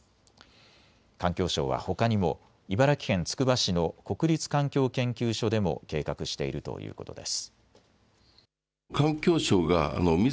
環境省はほかにも茨城県つくば市の国立環境研究所でも計画しているということです。